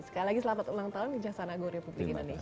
sekali lagi selamat ulang tahun kejaksaan agung republik indonesia